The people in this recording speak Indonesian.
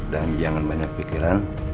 dan jangan banyak pikiran